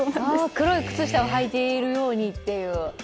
黒い靴下を履いているようにという。